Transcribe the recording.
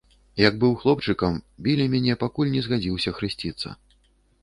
Як быў хлопчыкам, білі мяне, пакуль не згадзіўся хрысціцца.